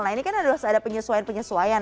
nah ini kan harus ada penyesuaian penyesuaian